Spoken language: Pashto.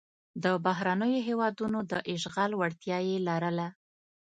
د بهرنیو هېوادونو د اشغال وړتیا یې لرله.